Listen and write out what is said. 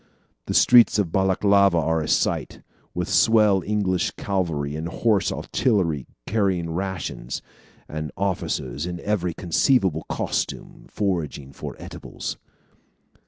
The streets of Balaklava are a sight, with swell English cavalry and horse artillery carrying rations, and officers in every conceivable costume foraging for eatables."